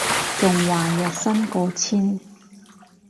仲話日薪過千